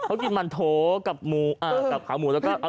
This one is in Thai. เขากินหมั่นโถกับขาวหมูแล้วก็เอาถั่ว